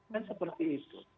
kan seperti itu